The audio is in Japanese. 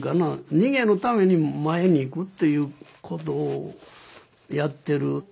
逃げのために前に行くっていうことをやってる。